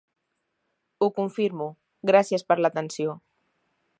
Ho confirmo, gràcies per l'atenció.